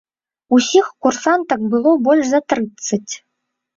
Усіх курсантак было больш за трыццаць.